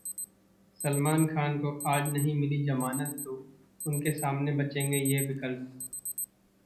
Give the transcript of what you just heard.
सलमान खान को आज नहीं मिली जमानत तो उनके सामने बचेंगे ये विकल्प